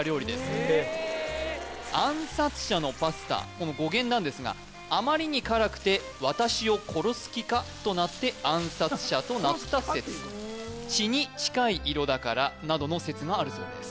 この語源なんですが「あまりに辛くて私を殺す気か？」となって暗殺者となった説「血に近い色だから」などの説があるそうです